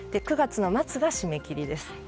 ９月の末が締め切りです。